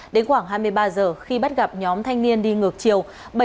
đến khoảng hai mươi ba giờ khi bắt gặp nhóm thanh niên đi ngược chiều